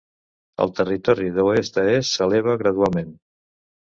El territori d'oest a est s'eleva gradualment.